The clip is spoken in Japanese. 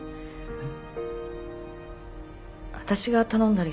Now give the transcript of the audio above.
えっ？